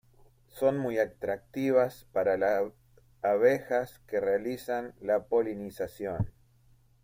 Son muy atractivas para la abejas que realizan la polinización.